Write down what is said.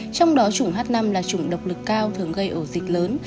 trong đó chủng h năm là chủng độc lực cao thường gây ổ dịch lớn